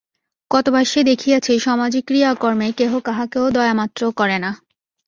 কতবার সে দেখিয়াছে, সমাজে ক্রিয়াকর্মে কেহ কাহাকেও দয়ামাত্রও করে না।